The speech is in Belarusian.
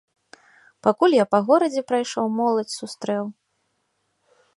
Пакуль я па горадзе прайшоў, моладзь сустрэў.